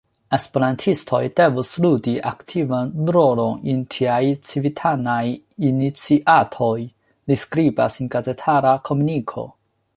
“Esperantistoj devus ludi aktivan rolon en tiaj civitanaj iniciatoj”, li skribas en gazetara komuniko.